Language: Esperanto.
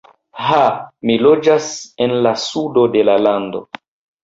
Ha, mi loĝas en la sudo de la lando.